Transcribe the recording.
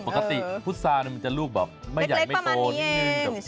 ปกติพุษามันจะลูกแบบไม่ใหญ่ไม่โตเล็กประมาณนี้เอง